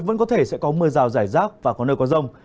vẫn có thể sẽ có mưa rào rải rác và có nơi có rông